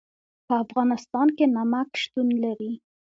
په افغانستان کې نمک شتون لري.